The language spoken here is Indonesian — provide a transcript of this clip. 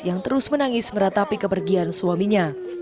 yang terus menangis meratapi kepergian suaminya